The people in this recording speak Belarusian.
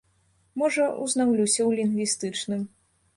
Можа, узнаўлюся ў лінгвістычным.